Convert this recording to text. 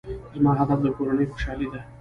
زما هدف د کورنۍ خوشحالي ده.